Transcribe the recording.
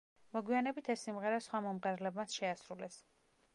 მოგვიანებით ეს სიმღერა სხვა მომღერლებმაც შეასრულეს.